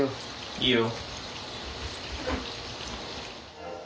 いいよ。